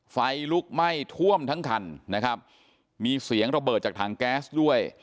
ไฟลุกไหม้ท่วมทั้งคันนะครับมีเสียงระเบิดจากถังแก๊สด้วย